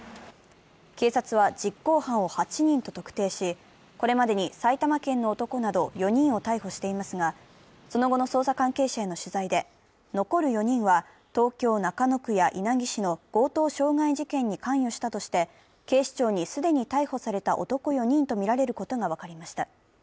警察は、実行犯を８人と特定し、これまでに埼玉県の男など４人を逮捕してますがその後の捜査関係者への取材で、残る４人は、東京・中野区や稲城市の強盗傷害事件に関与したとして、警視庁に既に逮捕された男４人とみられることが分かりました。